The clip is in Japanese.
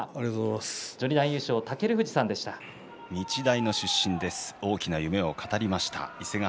日大出身の尊富士大きな夢を語りました